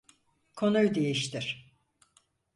Konuyu değiştir.